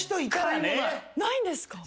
ないんですか？